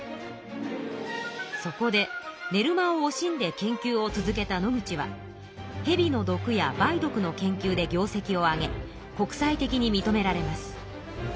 そこでねる間をおしんで研究を続けた野口はへびの毒や梅毒の研究で業績をあげ国際的に認められます。